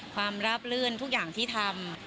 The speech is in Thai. ราบลื่นทุกอย่างที่ทำ